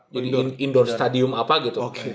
jadi indoor stadium apa gitu